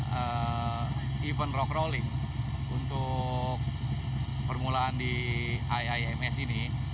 dan juga untuk event rock crawling untuk permulaan di iims ini